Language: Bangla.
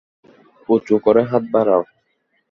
উচু করে হাত বাড়াও।